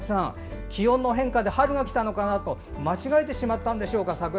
気温の変化で春が来たのかなと間違えてしまったんでしょうかと。